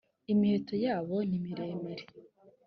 imiheto yabo nimiremire.